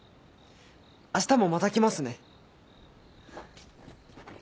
あしたもまた来ますね。